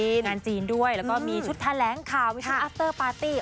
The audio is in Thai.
มีงานจีนด้วยแล้วก็มีชุดแถลงข่าววิชุดอัสเตอร์ปาร์ตี้